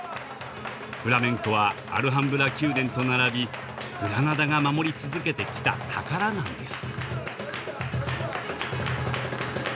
フラメンコはアルハンブラ宮殿と並びグラナダが守り続けてきた宝なんです。